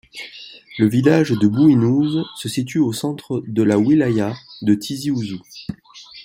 Le village de Bouhinoune se situe au centre de la Wilaya de Tizi Ouzou.